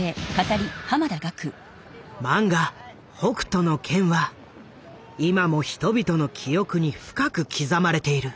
漫画「北斗の拳」は今も人々の記憶に深く刻まれている。